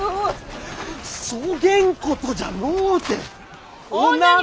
そげんことじゃのうて女が。